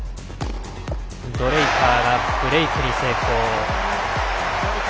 ドレイパーがブレークに成功。